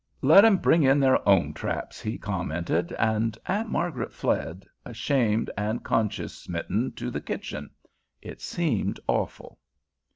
"Let 'em bring in their own traps," he commented, and Aunt Margaret fled, ashamed and conscience smitten, to the kitchen. It seemed awful.